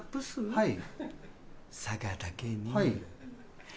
はい。